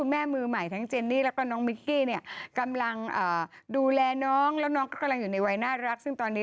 เมื่อกี้เธอบอกว่าอันตรายได้